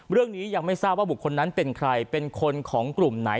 เรื่องนี้ยังไม่ทราบว่าบุคคลนั้นเป็นใครเป็นคนของกลุ่มไหน